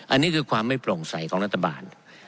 อันนี้คือความไม่โปร่งใสของรัฐบาล